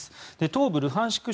東部ルハンシク